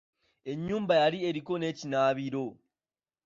Ennyumba yali eriko n'ekinaabiro.